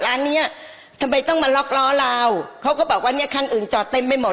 ร้านเนี้ยทำไมต้องมาล็อกล้อเราเขาก็บอกว่าเนี้ยคันอื่นจอดเต็มไปหมด